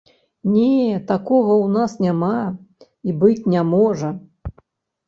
Не, такога ў нас няма і быць не можа.